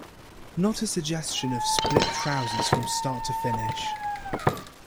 Not a suggestion of split trousers from start to finish.